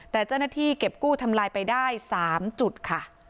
แต่เจ้าหน้าที่เก็บกู้ทำลายไปได้๓จุดค่ะ